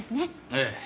ええ。